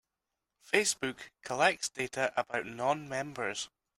Facebook collects data about non-members.